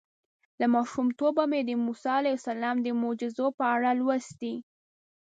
له ماشومتوبه مې د موسی علیه السلام د معجزو په اړه لوستي.